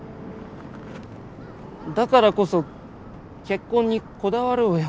だからこそ結婚にこだわろうよ。